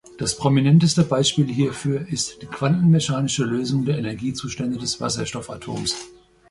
Das prominenteste Beispiel hierfür ist die quantenmechanische Lösung der Energiezustände des Wasserstoffatoms.